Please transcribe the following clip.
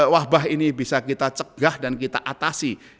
wabah ini bisa kita cegah dan kita atasi